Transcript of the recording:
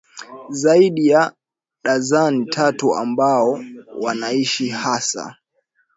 Zaidi ya dazeni tatu ambao wanaishi hasa